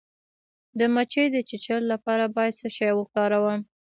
د مچۍ د چیچلو لپاره باید څه شی وکاروم؟